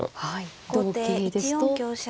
同桂ですと。